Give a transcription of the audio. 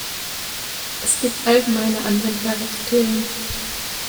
Es gibt allgemeiner anwendbare Kriterien.